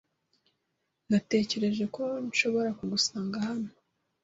Natekereje ko nshobora kugusanga hano.